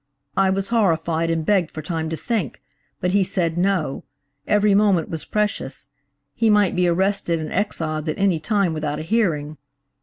I was horrified, and begged for time to think, but he said no–every moment was precious–he might be arrested and exiled at any time without a hearing.